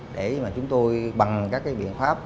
để mà chúng tôi bằng các biện pháp